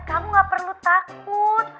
kamu gak perlu takut